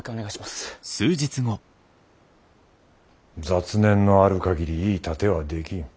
雑念のある限りいい殺陣はできん。